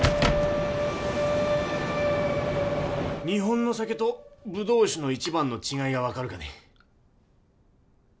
日本の酒とぶどう酒の一番の違いが分かるかね？